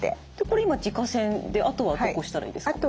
これ今耳下腺であとはどこ押したらいいですか？